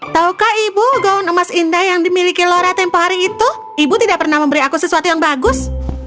taukah ibu gaun emas indah yang dimiliki lore tempoh hari itu ibu tidak pernah memberi aku sesuatu yang bagus